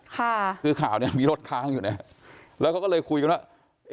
ค่ะคือข่าวเนี้ยมีรถค้างอยู่เนี่ยแล้วเขาก็เลยคุยกันว่า